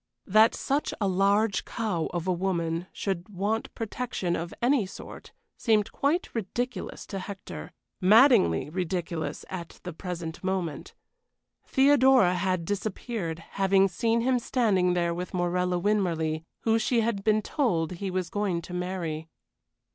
That such a large cow of a woman should want protection of any sort seemed quite ridiculous to Hector maddeningly ridiculous at the present moment. Theodora had disappeared, having seen him standing there with Morella Winmarleigh, who she had been told he was going to marry.